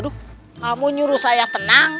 kamu nyuruh saya tenang